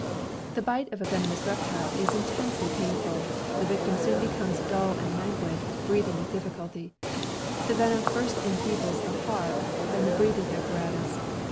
The bite of a venomous reptile is intensely painful. The victim soon becomes dull and languid, breathing with diflSculty. The venom first enfeebles the heart, then the breathing apparatus.